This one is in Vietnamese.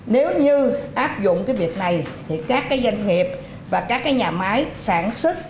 nếu như áp dụng cái việc này thì các cái doanh nghiệp và các nhà máy sản xuất